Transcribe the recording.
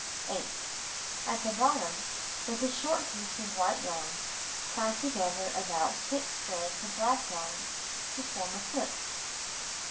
8. At the bottom, with a short piece of white yarn, tie together about 6 strands of black yarn, to form a foot.